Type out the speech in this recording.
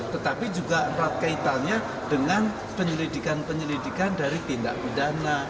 tetapi juga erat kaitannya dengan penyelidikan penyelidikan dari tindak pidana